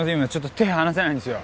今手離せないんですよ。